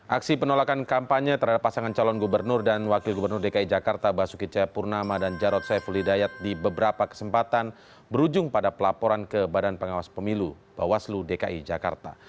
aksi penolakan kampanye terhadap pasangan calon gubernur dan wakil gubernur dki jakarta basuki cahayapurnama dan jarod saiful hidayat di beberapa kesempatan berujung pada pelaporan ke badan pengawas pemilu bawaslu dki jakarta